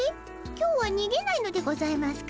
今日はにげないのでございますか？